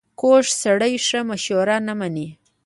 کوږ سړی ښه مشوره نه مني